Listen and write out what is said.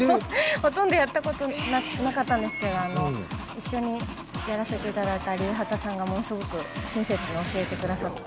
ほとんどやったことなかったんですけど一緒にやらせていただいた方がすごく親切に教えてくださって。